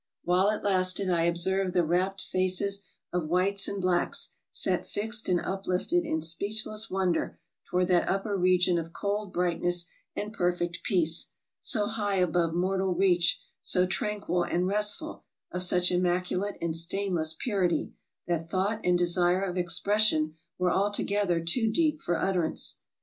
While it lasted, I observed the rapt faces of whites and blacks set fixed and uplifted in speechless wonder toward that upper region of cold bright ness and perfect peace, so high above mortal reach, so tran quil and restful, of such immaculate and stainless purity, that thought and desire of expression were altogether too deep for utterance.